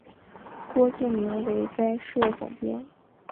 郭敬明为该社总编。